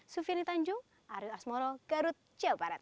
sufiyani tanjung arief asmoro garut jawa barat